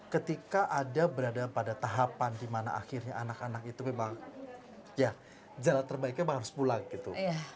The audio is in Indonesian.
ketika ada berada pada tahapan dimana akhirnya anak anak itu memang ya jalan terbaiknya harus pulang gitu